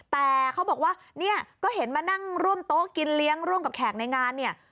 แต่เขาบอกว่าเนี่ยก็เห็นมานั่งร่วมโต๊ะกินเลี้ยงร่วมกับแขกในงานเนี่ย